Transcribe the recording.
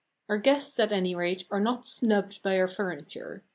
Our guests, at anyrate, are not snubbed by our furniture.